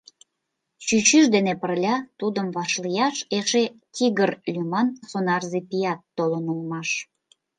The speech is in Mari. Чӱчӱж дене пырля тудым вашлияш эше Тигр лӱман сонарзе пият толын улмаш.